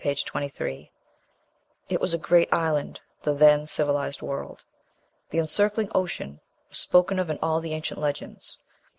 23.) It was a great island, the then civilized world. The encircling ocean "was spoken of in all the ancient legends.